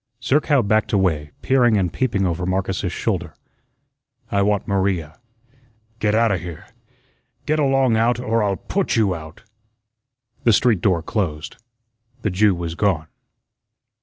Zerkow backed away, peering and peeping over Marcus's shoulder. "I want Maria." "Get outa here. Get along out, or I'll PUT you out." The street door closed. The Jew was gone.